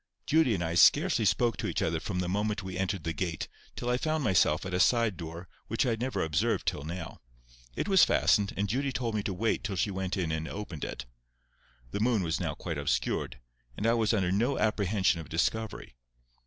Judy and I scarcely spoke to each other from the moment we entered the gate till I found myself at a side door which I had never observed till now. It was fastened, and Judy told me to wait till she went in and opened it. The moon was now quite obscured, and I was under no apprehension of discovery.